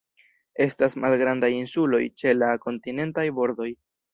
Estas malgrandaj insuloj ĉe la kontinentaj bordoj.